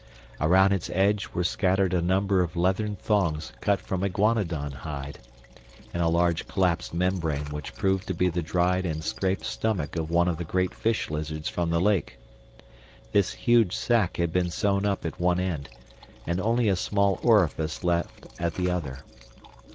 Around its edge were scattered a number of leathern thongs cut from iguanodon hide, and a large collapsed membrane which proved to be the dried and scraped stomach of one of the great fish lizards from the lake. This huge sack had been sewn up at one end and only a small orifice left at the other.